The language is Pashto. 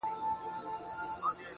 ځوان په لوړ ږغ.